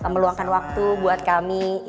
meluangkan waktu buat kami